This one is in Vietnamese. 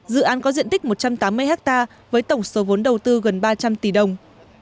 dự án có diện tích một trăm tám mươi ha với tổng số vốn đầu tư gần ba trăm linh tỷ đồng